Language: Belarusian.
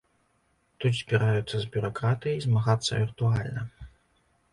Тут збіраюцца з бюракратыяй змагацца віртуальна.